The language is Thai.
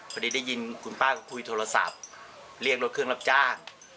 พอดีได้ยินคุณป้าก็คุยโทรศัพท์เรียกรถเครื่องรับจ้าง